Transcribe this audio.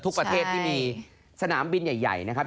ประเทศที่มีสนามบินใหญ่นะครับ